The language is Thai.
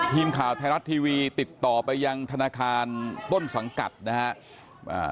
ทีมข่าวไทยรัฐทีวีติดต่อไปยังธนาคารต้นสังกัดนะฮะ